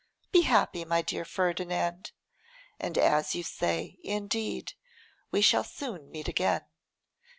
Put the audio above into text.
Be happy, my dear Ferdinand, and as you say indeed, we shall soon meet again.